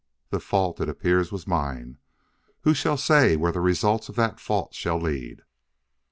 The fault, it appears, was mine. Who shall say where the results of that fault shall lead?